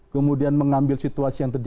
kemudian mengambil situasi yang terjadi